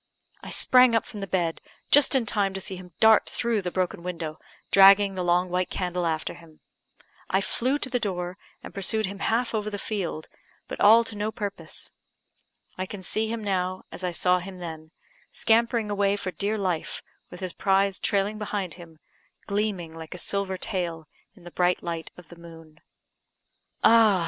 I sprang up from the bed, just in time to see him dart through the broken window, dragging the long white candle after him. I flew to the door, and pursued him half over the field, but all to no purpose. I can see him now, as I saw him then, scampering away for dear life, with his prize trailing behind him, gleaming like a silver tail in the bright light of the moon. Ah!